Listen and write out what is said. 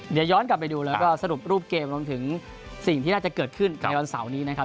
เดี๋ยวย้อนกลับไปดูแล้วก็สรุปรูปเกมรวมถึงสิ่งที่น่าจะเกิดขึ้นในวันเสาร์นี้นะครับ